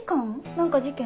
何か事件？